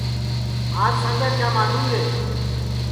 آج سانجا کیا ماڈُؔں گے